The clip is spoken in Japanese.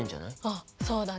あっそうだね。